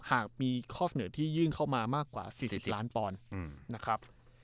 หากมีข้อเสนอที่ยื่นเข้ามามากกว่า๔๐ล้านปอนด์นะครับ